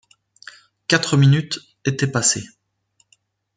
Les quatre minutes étaient passées.